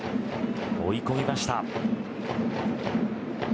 追い込みました。